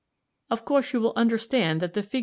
"Of course you will understand that Fig.